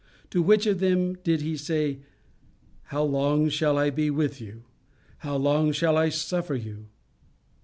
To which of them did he say, "How long shall I be with you? How long shall I suffer you?"